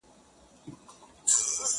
بیا مُلا سو بیا هغه د سیند څپې سوې-